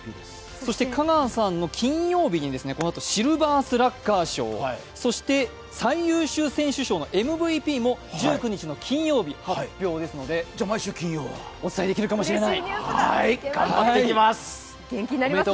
そして香川さんの金曜日にこのあとシルバースラッガー賞そして最優秀選手賞のМＶＰも、１９日の金曜日、発表ですので、お伝えできるかもしれない。